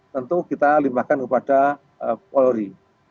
tentu kita limbahkan kepada polri